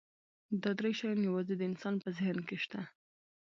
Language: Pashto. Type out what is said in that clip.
دا درې شیان یواځې د انسان په ذهن کې شته.